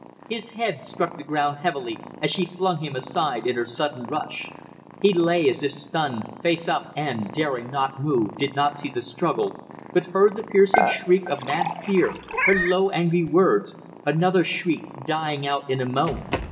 His head struck the ground heavily as she flung him aside in her sudden rush. He lay as if stunned, face up and, daring not move, did not see the struggle, but heard the piercing shriek of mad fear, her low angry words; another shriek dying out in a moan.